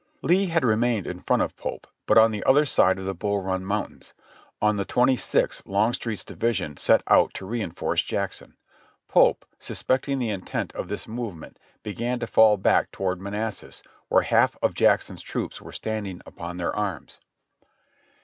Lee had remained in front of Pope, but on the other side of the Bull Run Mountains. On the twenty sixth Longstreet's divis ion set out to reinforce Jackson. Pope, suspecting the intent of this movement, began to fall back toward Manassas, where half of Jackson's troops were standing upon their arms.